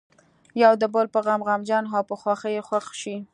یو د بل په غم غمجن او په خوښۍ یې خوښ شي.